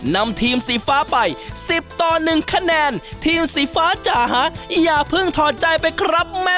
นำทีมสีฟ้าไป๑๐ต่อ๑คะแนนทีมสีฟ้าจ่าฮะอย่าเพิ่งถอดใจไปครับ